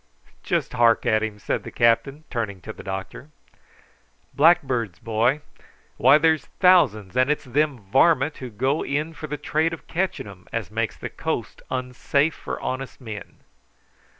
"Just hark at him," said the captain, turning to the doctor. "Blackbirds, boy, why, there's thousands; and it's them varmint who go in for the trade of catching 'em as makes the coast unsafe for honest men."